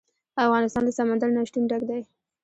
افغانستان له سمندر نه شتون ډک دی.